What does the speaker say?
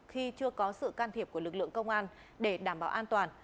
khi chưa có sự can thiệp của lực lượng công an để đảm bảo an toàn